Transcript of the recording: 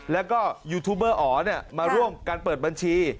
แล้วก็ยูทูบเบอร์อ๋อมาร่วมกันเปิดบัญชี